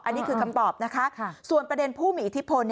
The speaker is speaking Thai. อันนี้คือคำตอบนะคะส่วนประเด็นผู้มีอิทธิพล